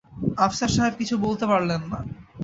আফসার সাহেব কিছু বলতে পারলেন না।